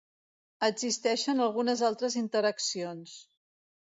Existeixen algunes altres interaccions.